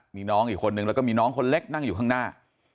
มีน้องอีกคนนึงแล้วก็มีน้องคนเล็กนั่งอยู่ข้างหน้า